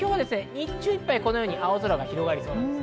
日中いっぱい青空が広がりそうです。